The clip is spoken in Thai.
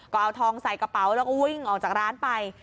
ก็เอาทองใส่กระเป๋าแล้วก็วิ่งออกจากร้านไป